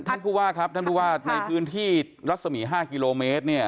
ท่านผู้ว่าครับท่านผู้ว่าในพื้นที่รัศมี๕กิโลเมตรเนี่ย